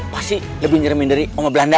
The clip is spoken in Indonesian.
pasti lebih nyeremin dari ongo belanda